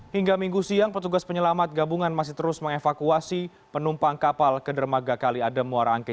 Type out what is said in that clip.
hingga minggu siang petugas penyelamat gabungan masih terus mengevakuasi penumpang kapal ke dermaga kali adem muara angke